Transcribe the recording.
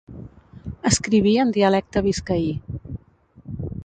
Escriví en dialecte biscaí.